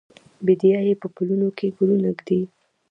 بیدیا یې پلونو کې ګلونه ایږدي